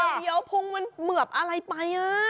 เดี๋ยวพุงมันเหมือบอะไรไป